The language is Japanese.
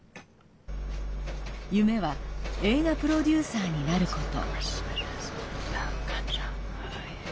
夢は映画プロデューサーになること。